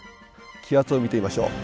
気圧を見てみましょう。